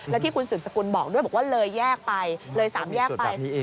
แล้วที่คุณสืบสกุลบอกด้วยบอกว่าเลยแยกไปเลย๓แยกไป